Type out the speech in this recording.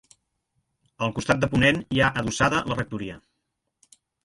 Al costat de ponent hi ha adossada la rectoria.